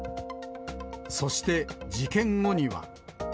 そして、事件後には。